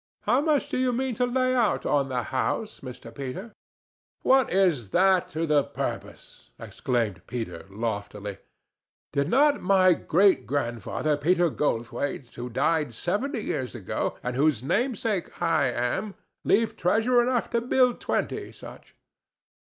How much do you mean to lay out on the house, Mr. Peter?" "What is that to the purpose?" exclaimed Peter, loftily. "Did not my great grand uncle, Peter Goldthwaite, who died seventy years ago, and whose namesake I am, leave treasure enough to build twenty such?"